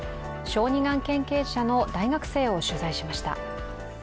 小児がん経験者の大学生を取材しました。